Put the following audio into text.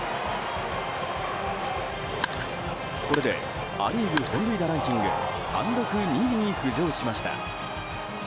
これでア・リーグ本塁打ランキング単独２位に浮上しました。